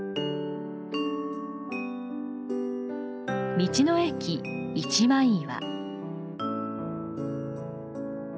道の駅、一枚岩。